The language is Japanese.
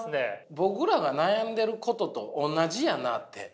僕らが悩んでることと同じやなって。